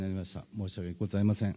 申し訳ございません。